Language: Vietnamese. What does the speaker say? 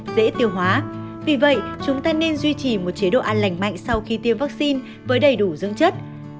dễ tiêu hóa vì vậy chúng ta nên duy trì một chế độ ăn lành mạnh sau khi tiêm vaccine với đầy đủ dưỡng chất